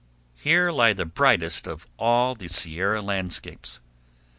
Here lie the brightest of all the Sierra landscapes.